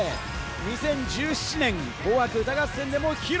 ２０１７年『紅白歌合戦』でも披露。